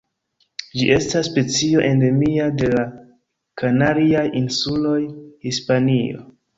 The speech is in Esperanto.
Ĝi estas specio endemia de la Kanariaj Insuloj, Hispanio.